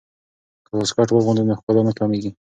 که واسکټ واغوندو نو ښکلا نه کمیږي.